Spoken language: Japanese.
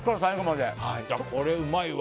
これ、うまいわ。